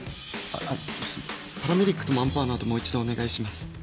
あっパラメディックとマンパワーの後もう一度お願いします。